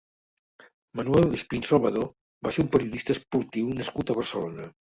Manuel Espín Salvador va ser un periodista esportiu nascut a Barcelona.